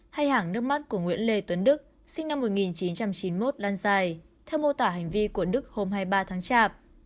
hay hãng nước mắt của nguyễn lê tuấn đức sinh năm một nghìn chín trăm chín mươi một lan dài theo mô tả hành vi của đức hôm hai mươi ba tháng chạp